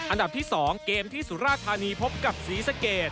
อันดับที่๒เกมที่สุราธานีพบกับศรีสะเกด